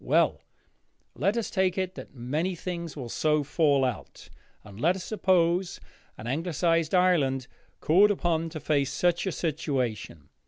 Well, let us take it that things will so fall out, and let us suppose an Anglicised Ireland called upon to face such a situation.